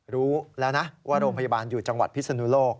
รู้แล้วนะว่าโรงพยาบาลอยู่จังหวัดพิศนุโลก